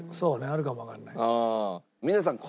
あるかもわかんないね。